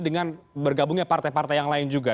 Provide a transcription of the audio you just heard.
dengan bergabungnya partai partai yang lain juga